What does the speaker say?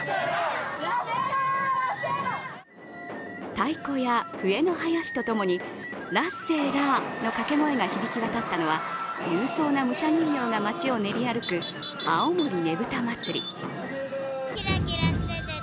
太鼓や笛の囃子とともにラッセラーの掛け声が響き渡ったのは、勇壮な武者人形が町を練り歩く青森ねぶた祭。